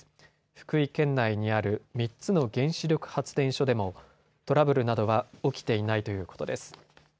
福井県内にある３つの原子力発電所でもトラブルなどは起きていないということです。